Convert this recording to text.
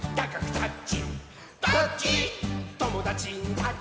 タッチ！